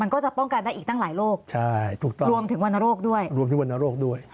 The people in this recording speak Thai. ก็จะป้องกันได้อีกตั้งหลายโรครวมถึงวรรณโรคด้วย